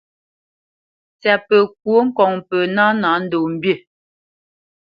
Ntsyapǝ kwó ŋkɔŋ pǝ ná nâ ndo mbî.